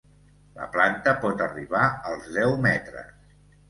La planta pot arribar als deu metres.